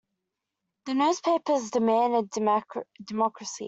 The newspapers demanded democracy.